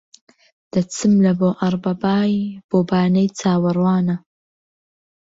دەچم لە بۆ ئەڕبابای بۆ بانەی چاوەڕوانە